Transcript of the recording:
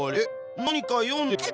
何か読んでる。